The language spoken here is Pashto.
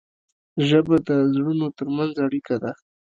ژبه د زړونو ترمنځ اړیکه ده.